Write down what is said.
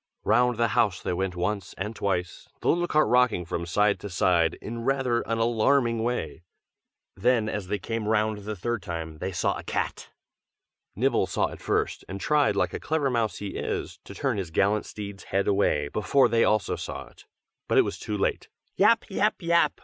Round the house they went once and twice, the little cart rocking from side to side in rather an alarming way. Then, as they came round the third time they saw a cat! Nibble saw it first, and tried like a clever mouse as he is, to turn his gallant steeds' heads away before they also saw it: but it was too late. "Yap! yap! yap!"